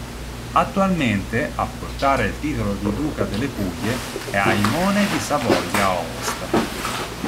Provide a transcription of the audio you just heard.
Attualmente a portare il titolo di duca delle Puglie è Aimone di Savoia-Aosta.